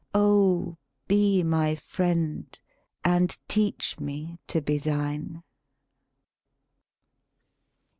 O, be my friend, and teach me to be thine!"